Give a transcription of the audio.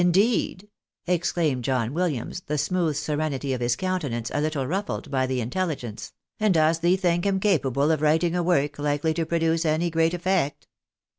" Indeed," exclaimed John Williams, the smooth serenity of his countenance a little ruffled by the intelligence, " and dost thee think him capable of writing a work hkely to produce anv great effect?"